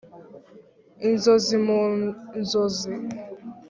"inzozi mu nzozi"